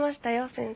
先生。